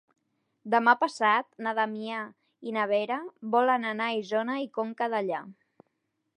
Demà passat na Damià i na Vera volen anar a Isona i Conca Dellà.